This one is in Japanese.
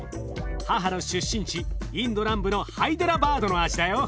母の出身地インド南部のハイデラバードの味だよ。